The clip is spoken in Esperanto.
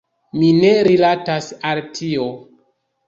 Mi ne rilatas al tio.